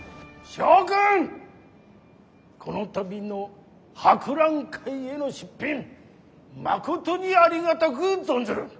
諸君この度の博覧会への出品まことにありがたく存ずる。